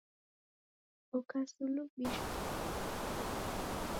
Ukasulubishwa kwa kaung'a redu.